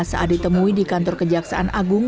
saat ditemui di kantor kejaksaan agung